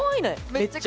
めっちゃ。